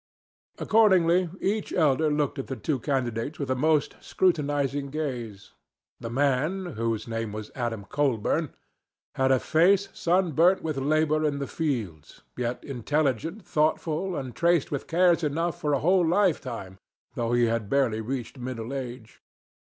Accordingly, each elder looked at the two candidates with a most scrutinizing gaze. The man—whose name was Adam Colburn—had a face sunburnt with labor in the fields, yet intelligent, thoughtful and traced with cares enough for a whole lifetime, though he had barely reached middle age.